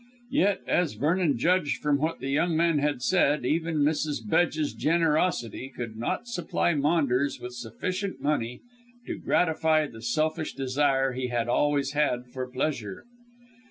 Yet as Vernon judged from what the young man had said even Mrs. Bedge's generosity could not supply Maunders with sufficient money to gratify the selfish desire he had always had for pleasure.